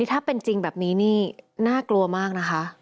ถ้าเป็นจริงแบบนี้นี่น่ากลัวมากนะคะ